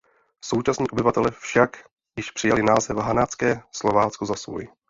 Současní obyvatelé však již přijali název Hanácké Slovácko za svůj.